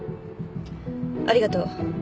ありがとう。